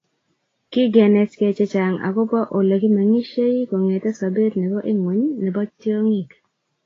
Kigenetkei chechang agoba olekimengishei kongete sobet nebo ingweny nebo tyongik